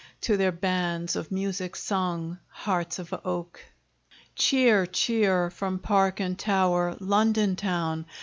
To their bands of music sung 'Hearts of Oak!' Cheer! cheer! from park and tower, London town!